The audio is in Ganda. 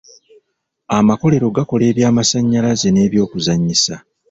Amakolero gakola ebyamasannyalaze n'ebyokuzannyisa.